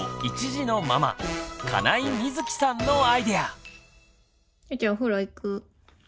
１児のママ金井瑞季さんのアイデア！